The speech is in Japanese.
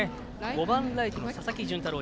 ５番ライト、佐々木純太郎。